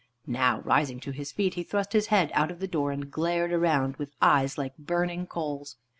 Now rising to his feet, he thrust his head out of the door and glared around with eyes like burning coals.